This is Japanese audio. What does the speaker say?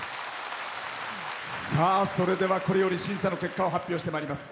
それでは、これより審査の結果を発表してまいります。